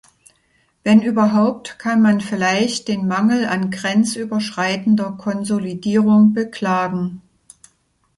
Wenn überhaupt, kann man vielleicht den Mangel an grenzüberschreitender Konsolidierung beklagen.